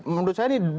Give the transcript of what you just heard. menurut saya ini